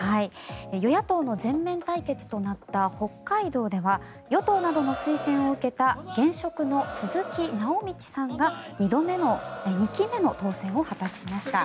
与野党の全面対決となった北海道では与党などの推薦を受けた現職の鈴木直道さんが２期目の当選を果たしました。